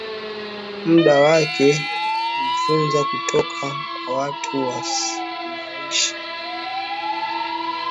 muda wake kujifunza kutoka kwa watu wanaoishi